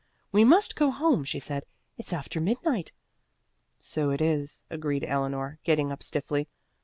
"We must go home," she said. "It's after midnight." "So it is," agreed Eleanor, getting up stiffly.